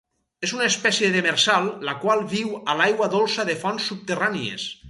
És una espècie demersal, la qual viu a l'aigua dolça de fonts subterrànies.